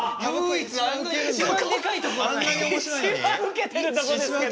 一番ウケてるとこですけど。